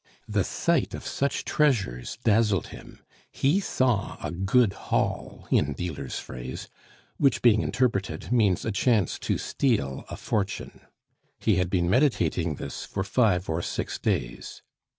The sight of such treasures dazzled him; he saw a "good haul," in dealers' phrase, which being interpreted means a chance to steal a fortune. He had been meditating this for five or six days.